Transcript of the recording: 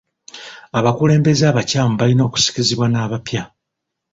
Abakulembeze abakyamu balina okusikizibwa n'abapya.